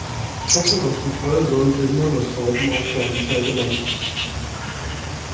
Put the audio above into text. Stacheln aus Metall sollen verhindern, dass Tauben auf der Anzeige landen.